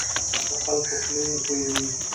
د خلکو خولې بويي.